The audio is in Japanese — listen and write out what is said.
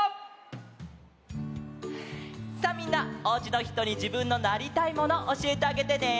さあみんなおうちのひとにじぶんのなりたいモノおしえてあげてね！